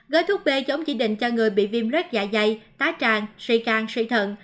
gói thuốc b giống chỉ định cho người bị viêm rớt dạ dày tá tràn suy cang suy thận